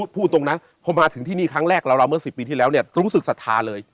พูดตรงนะพอมาถึงที่นี่ครั้งแรกราวเมื่อ๑๐ปีที่แล้วเนี่ยรู้สึกศรัทธาเลย